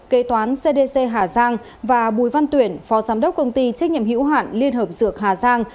kế toán cdc hà giang và bùi văn tuyển phó giám đốc công ty trách nhiệm hữu hạn liên hợp dược hà giang